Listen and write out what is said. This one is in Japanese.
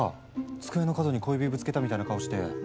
机の角に小指ぶつけたみたいな顔して。